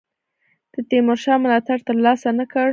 د تیمورشاه ملاتړ تر لاسه نه کړ.